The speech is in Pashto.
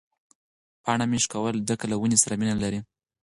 پاڼه مه شکوئ ځکه له ونې سره مینه لري.